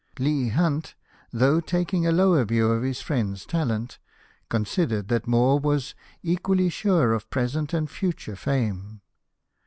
Leigh Hunt, though taking a lower view of his friend's talent, considered that Moore was "equally sure of present and future fame."